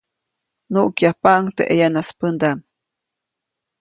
Nuʼkyajpaʼuŋ teʼ ʼeyanaspändaʼm.